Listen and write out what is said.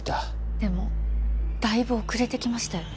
でもだいぶ遅れて来ましたよ。